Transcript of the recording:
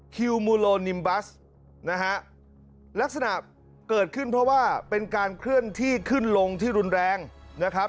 คิวมูโลนิมบัสนะฮะลักษณะเกิดขึ้นเพราะว่าเป็นการเคลื่อนที่ขึ้นลงที่รุนแรงนะครับ